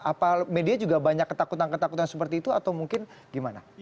apa media juga banyak ketakutan ketakutan seperti itu atau mungkin gimana